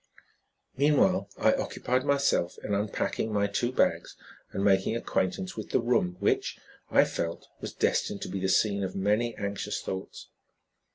Meanwhile I occupied myself in unpacking my two bags and making acquaintance with the room which, I felt, was destined to be the scene of many, anxious thoughts.